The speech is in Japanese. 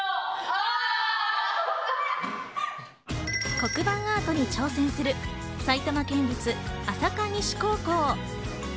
黒板アートに挑戦する、埼玉県立朝霞西高校。